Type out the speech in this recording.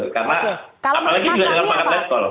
karena apalagi juga dengan pangkat let call